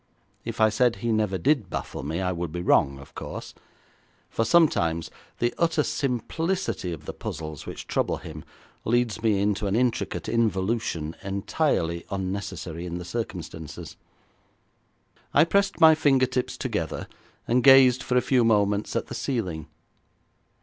If I said he never did baffle me, I would be wrong, of course, for sometimes the utter simplicity of the puzzles which trouble him leads me into an intricate involution entirely unnecessary in the circumstances. I pressed my fingertips together, and gazed for a few moments at the ceiling.